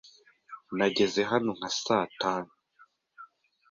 Nageze hano nka saa tanu.